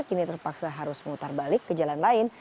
kini terpaksa harus memutar balik ke jalan lain